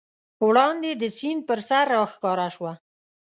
وړاندې د سیند پر سر راښکاره شوه.